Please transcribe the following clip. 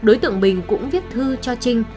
đối tượng bình cũng viết thư cho trinh